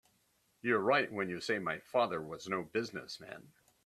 You're right when you say my father was no business man.